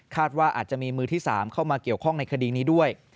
ว่าอาจจะมีมือที่๓เข้ามาเกี่ยวข้องในคดีนี้ด้วย